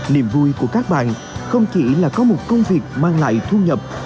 niềm vui của các bạn không chỉ là có một công việc mang lại thu nhập